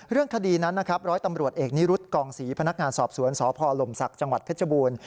เรื่องคดีนั้นนะครับร้อยตำรวจเอกนิรุธกองศรีพนักงานสอบสวนสพลมศักดิ์จังหวัดเพชรบูรณ์